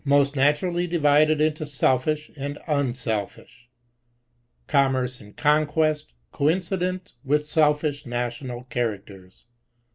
Most naturally divided into selfish and unselfish. Commerce and conquest coincident with selfish national characters.